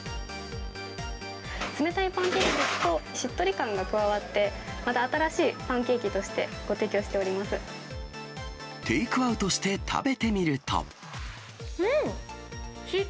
冷たいパンケーキですと、しっとり感が加わって、また新しいパンケーキとしてご提供しておテイクアウトして食べてみるうんっ！